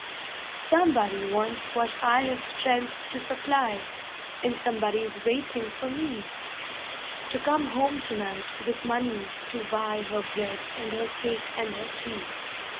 Somebody wants what I've strength to supply, And somebody's waiting for me To come home to night with money to buy Her bread and her cake and her tea.